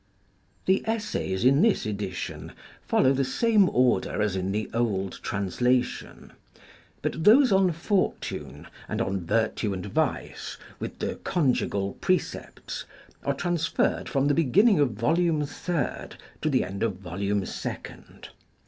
The essays in this edition follow the same order as in the old translation ; but those on Fortune, and on Virtue and Vice, with the Conjugal Precepts, are transferred from the beginning of vol ume third to the end of volume second.